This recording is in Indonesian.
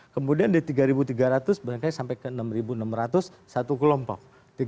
kemudian dari tiga tiga ratus barangkali sampai ke enam enam ratus satu kelompok